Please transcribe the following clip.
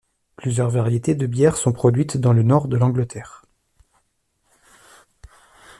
Plusieurs variétés de bières sont produites dans le nord de l'Angleterre.